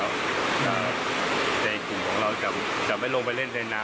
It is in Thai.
ในกลุ่มของเราจะไม่ลงไปเล่นในน้ำ